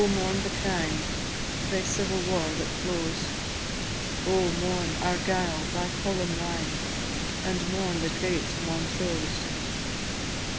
mourn the crime, Frae civil war that flows; Oh! mourn, Argyll, thy fallen line, And mourn the great Montrose.